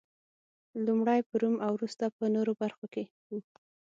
لومړی په روم او وروسته په نورو برخو کې و